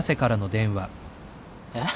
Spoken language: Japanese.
えっ？